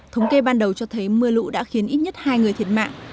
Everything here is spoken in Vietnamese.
thống kê ban đầu cho thấy mưa lũ đã khiến ít nhất hai người thiệt mạng